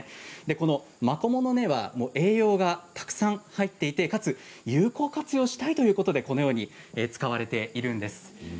このマコモの根は栄養がたくさん入っていてかつ、有効活用したいということでこのように使われているんです。